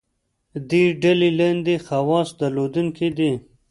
دې ډلې لاندې خواص درلودونکي دي.